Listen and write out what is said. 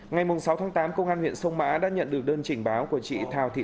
ngày sáu tháng tám công an huyện sông mã đã nhận được đơn trình báo của chị thào thị